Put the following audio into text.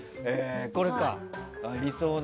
これか。